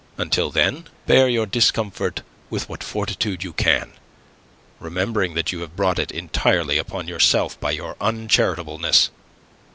Until then bear your discomfort with what fortitude you can, remembering that you have brought it entirely upon yourself by your uncharitableness.